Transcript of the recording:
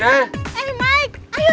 eh mike ayo semangat juga